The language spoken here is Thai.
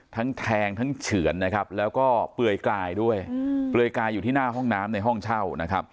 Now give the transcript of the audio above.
ทั้งแทงทั้งเฉือนแล้วก็เปื่อยกายด้วยเปื่อยกายอยู่ที่หน้าห้องน้ำในห้องเช่า